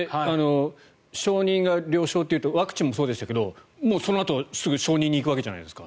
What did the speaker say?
承認が了承というとワクチンもそうでしたけどそのあとはすぐ承認に行くわけじゃないですか。